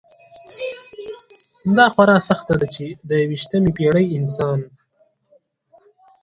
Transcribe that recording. دا خورا سخته ده چې د یویشتمې پېړۍ انسان.